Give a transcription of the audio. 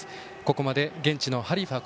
ここまで現地のハリファ